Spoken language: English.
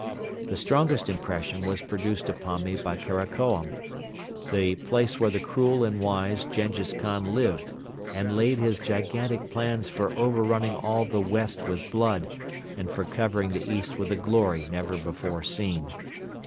The strongest impression was produced upon me by Karakorum, the place where the cruel and wise Jenghiz Khan lived and laid his gigantic plans for overrunning all the west with blood and for covering the east with a glory never before seen.